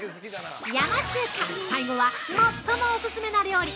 ◆山中華、最後は最もオススメな料理。